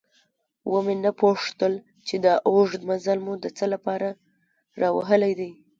ومې نه پوښتل چې دا اوږد مزل مو د څه له پاره راوهلی دی؟